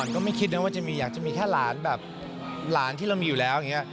ก็ไม่คิดนะว่าอยากจะมีแค่หลานแบบหลานที่เรามีอยู่แล้วอย่างนี้